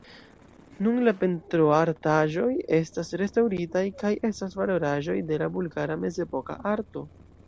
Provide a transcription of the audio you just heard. Nun la pentroartaĵoj estas restaŭritaj kaj estas valoraĵoj de la bulgara mezepoka arto.